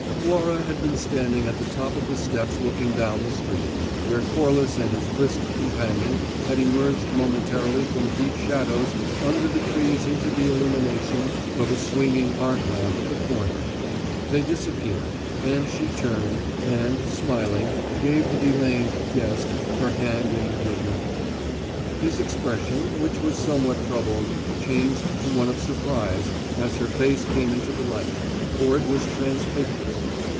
Laura had been standing at the top of the steps looking down the street, where Corliss and his brisk companion had emerged momentarily from deep shadows under the trees into the illumination of a swinging arc lamp at the corner. They disappeared; and she turned, and, smiling, gave the delaying guest her hand in good night. His expression, which was somewhat troubled, changed to one of surprise as her face came into the light, for it was transfigured.